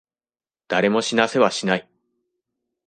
誰も死なせはしない。